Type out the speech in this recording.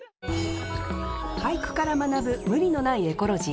俳句から学ぶ無理のないエコロジー。